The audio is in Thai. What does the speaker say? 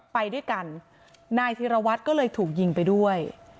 ไปด้วยกันนายธิรวัตรก็เลยถูกยิงไปด้วย